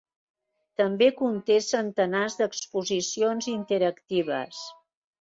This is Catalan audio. També conté centenars d'exposicions interactives.